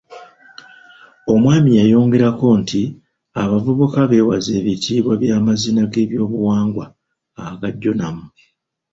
Omwami yayongerako nti abavubuka beewaze ebitiibwa by'amazina g'ebyobuwangwa aga Jonam.